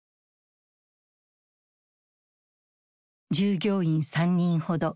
従業員３人ほど。